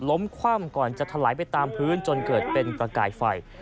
คว่ำก่อนจะถลายไปตามพื้นจนเกิดเป็นประกายไฟ